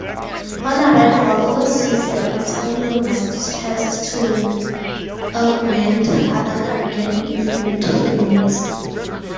On arrival overseas the battalion was dispersed to augment other Canadian infantry units.